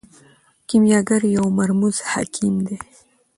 کیمیاګر یو مرموز حکیم دی.